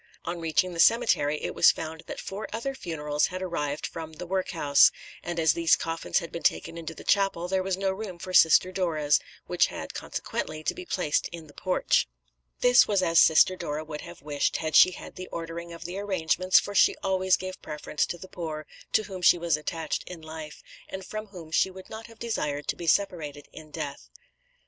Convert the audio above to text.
On reaching the cemetery it was found that four other funerals had arrived from the workhouse; and as these coffins had been taken into the chapel there was no room for Sister Dora's, which had, consequently, to be placed in the porch. This was as Sister Dora would have wished, had she had the ordering of the arrangements, for she always gave preference to the poor, to whom she was attached in life, and from whom she would not have desired to be separated in death."